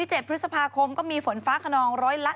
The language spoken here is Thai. พี่ชอบแซงไหลทางอะเนาะ